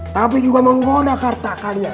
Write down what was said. tapi juga menggoda harta kalian